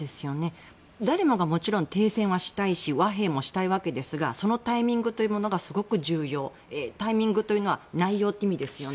誰もがもちろん停戦したいし和平もしたいわけですがそのタイミングが非常に重要でタイミングというのは内容という意味ですね。